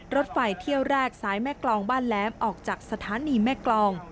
รถไฟเที่ยวแรกซ้ายแม่กรองบ้านแหลมออกจากสถานีแม่กรอง